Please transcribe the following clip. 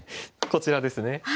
こちらですね。